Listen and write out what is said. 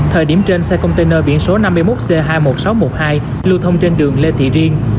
thời điểm trên xe container biển số năm mươi một c hai mươi một nghìn sáu trăm một mươi hai lưu thông trên đường lê thị riêng